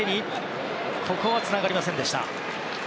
ここはつながりませんでした。